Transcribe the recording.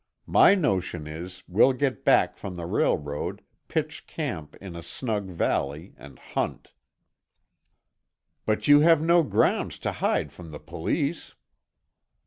My notion is, we'll get back from the railroad, pitch camp in a snug valley and hunt." "But you have no grounds to hide from the police."